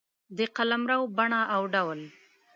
د قلمرو بڼه او ډول